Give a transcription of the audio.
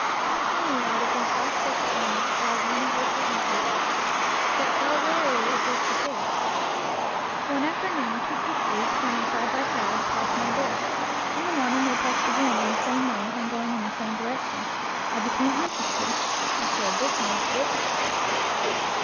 How prone we are to think our special ailments are of universal interest, but how rarely is this the case ! One afternoon two cuckoos, flying side by side, passed my door. In the morning they passed again in the same way and going in the same direction. I became interested. I said, This means business.